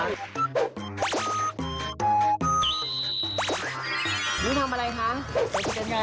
นี่ทำอะไรคะ